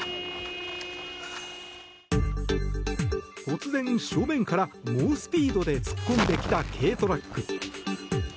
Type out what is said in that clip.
突然、正面から猛スピードで突っ込んできた軽トラック。